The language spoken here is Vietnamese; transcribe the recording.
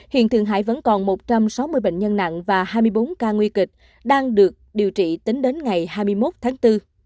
hiện thường hải vẫn còn một trăm sáu mươi bệnh nhân nặng và hai mươi bốn ca nguy kịch đang được điều trị tính đến ngày hai mươi một tháng bốn